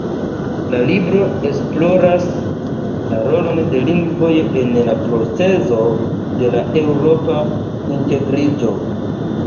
La libro esploras la rolon de lingvoj en la procezo de la eŭropa integriĝo.